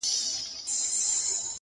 بس همدغه لېونتوب یې وو ښودلی؛؛!